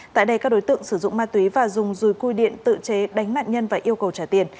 tại đây các đối tượng sử dụng ma túy và dùng dùi cui điện tự chế đánh nạn nhân và yêu cầu trả tiền